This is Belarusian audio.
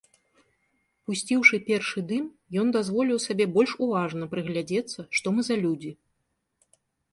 Пусціўшы першы дым, ён дазволіў сабе больш уважна прыгледзецца, што мы за людзі.